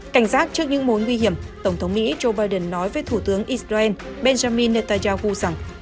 cảnh giác trước những mối nguy hiểm tổng thống mỹ joe biden nói với thủ tướng israel benjamin netanyahu rằng